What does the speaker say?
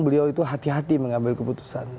beliau itu hati hati mengambil keputusan